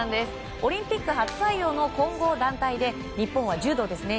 オリンピック初採用の混合団体で柔道ですね。